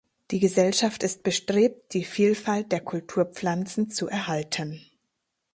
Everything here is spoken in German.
Die Gesellschaft ist bestrebt, die Vielfalt der Kulturpflanzen zu erhalten.